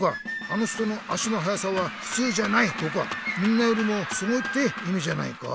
「あの人の足のはやさはふつうじゃない」とか「みんなよりもすごい」っていみじゃないか。